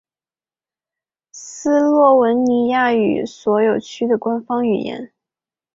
斯洛文尼亚语为所有区的官方语言。